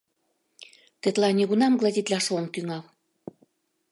— Тетла нигунам гладитлаш ом тӱҥал.